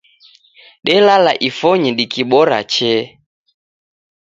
Delala ifonyi dikibora chee